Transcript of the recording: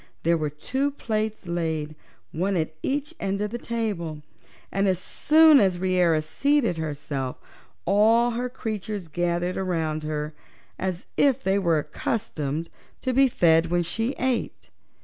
There were two plates laid, one at each end of the table, and as soon as Reera seated herself all her creatures gathered around her, as if they were accustomed to be fed when she ate.